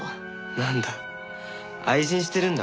なんだ愛人してるんだ。